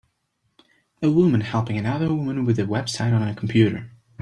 A woman helping another woman out with a website on a computer.